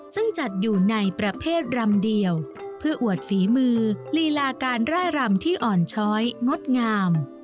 ซึ่งจัดอยู่ในประเภทรำเดียวเพื่ออวดฝีมือลีลาการร่ายรำที่อ่อนช้อยงดงาม